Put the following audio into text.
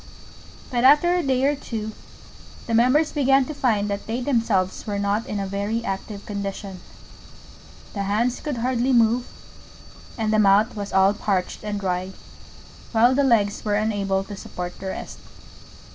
But after a day or two the Members began to find that they themselves were not in a very active condition: the Hands could hardly move, and the Mouth was all parched and dry, while the Legs were unable to support the rest.